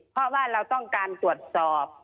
เพราะว่าเราต้องการตรวจสอบ